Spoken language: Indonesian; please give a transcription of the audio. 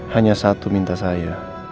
hanya satu minta saya